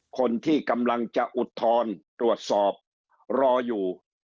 คนที่กำลังจะอุทธรณ์ตรวจสอบรออยู่